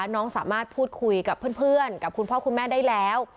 น้องสามารถพูดคุยกับเพื่อนกับคุณพ่อคุณแม่ได้แล้ว